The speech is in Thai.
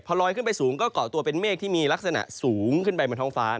พอลอยขึ้นไปสูงก็เกาะตัวเป็นเมฆที่มีลักษณะสูงขึ้นไปบนท้องฟ้า